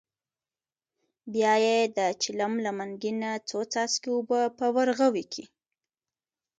بیا یې د چلم له منګي نه څو څاڅکي اوبه په ورغوي کې.